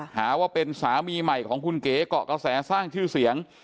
หาว่าเป็นสามีใหม่ของคุณเก๋เกาะกระแสสร้างชื่อเสียง